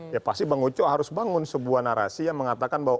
ya pasti bang uco harus bangun sebuah narasi yang mengatakan bahwa